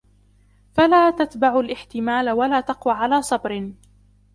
فَلَا تَتْبَعُ الِاحْتِمَالَ وَلَا تَقْوَى عَلَى صَبْرٍ